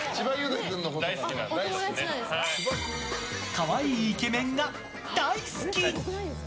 可愛いイケメンが大好き！